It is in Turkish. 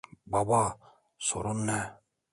Baba, sorun ne?